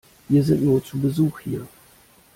Wir sind nur zu Besuch hier.